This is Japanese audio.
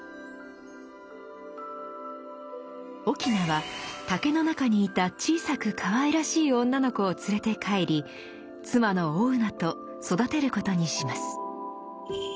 翁は竹の中にいた小さくかわいらしい女の子を連れて帰り妻の嫗と育てることにします。